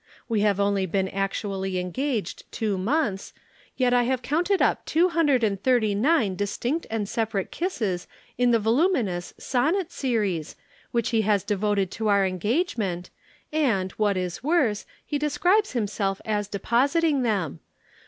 We have only been actually engaged two months, yet I have counted up two hundred and thirty nine distinct and separate kisses in the voluminous 'Sonnet Series' which he has devoted to our engagement, and, what is worse, he describes himself as depositing them.